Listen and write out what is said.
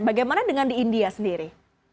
bagaimana dengan di india sendiri